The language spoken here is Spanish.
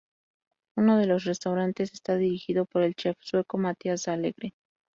Uno de los restaurantes está dirigido por el chef sueco Mathias Dahlgren.